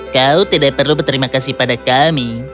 kamu tidak perlu berterima kasih kepada kami